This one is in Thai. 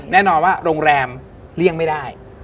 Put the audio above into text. แน่นอนว่าโรงแรมเลี่ยงไม่ได้